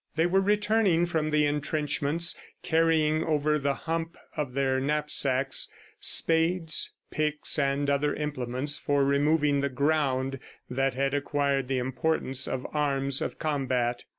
They were returning from the intrenchments, carrying over the hump of their knapsacks, spades, picks and other implements for removing the ground, that had acquired the importance of arms of combat.